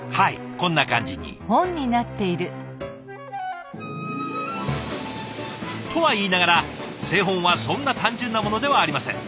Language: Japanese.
こんな感じに。とはいいながら製本はそんな単純なものではありません。